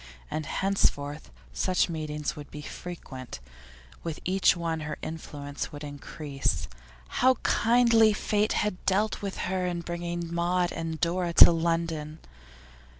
And henceforth such meetings would be frequent, with each one her influence would increase. How kindly fate had dealt with her in bringing Maud and Dora to London!